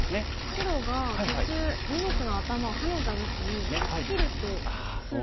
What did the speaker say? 白が途中二目のアタマをハネた時に切ると黒。